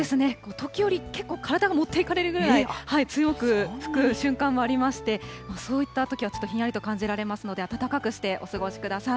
時折、けっこう体が持っていかれるぐらい強く吹く瞬間はありまして、そういったときはちょっとひんやりと感じられますので、暖かくしてお過ごしください。